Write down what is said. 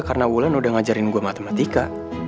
karena wulan udah ngajarin gue matematika